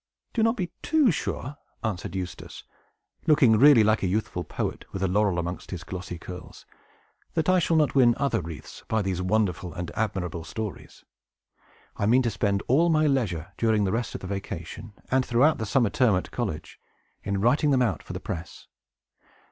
"Do not be too sure," answered Eustace, looking really like a youthful poet, with the laurel among his glossy curls, "that I shall not win other wreaths by these wonderful and admirable stories. I mean to spend all my leisure, during the rest of the vacation, and throughout the summer term at college, in writing them out for the press.